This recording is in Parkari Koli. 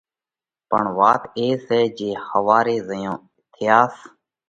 پڻ وات اي سئہ جي ۿواري زئيون اٿياس،